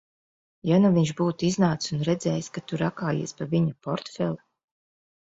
Ja nu viņš būtu iznācis un redzējis, ka tu rakājies pa viņa portfeli?